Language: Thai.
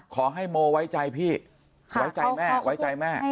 ขอให้โมไว้ใจพี่ไว้ใจแม่ไว้ใจแม่